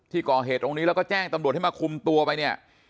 ก่อเหตุตรงนี้แล้วก็แจ้งตำรวจให้มาคุมตัวไปเนี่ย